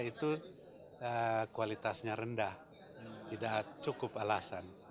industri pertahanan swasta itu kualitasnya rendah tidak cukup alasan